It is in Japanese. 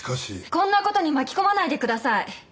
こんな事に巻き込まないでください。